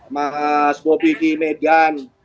mas bobi di medan